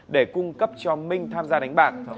để cung cấp cho minh tham gia đánh bạc